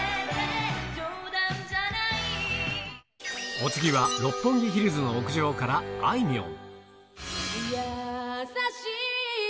お次は、六本木ヒルズの屋上から、あいみょん。